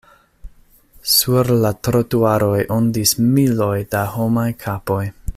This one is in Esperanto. Sur la trotuaroj ondis miloj da homaj kapoj.